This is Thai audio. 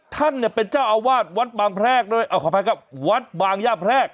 ท่านเนี่ยเป็นเจ้าอาวาสวัดบางแพรกด้วยเอาขออภัยครับวัดบางย่าแพรก